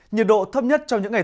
nhiệt độ thấp nhất trong những ngày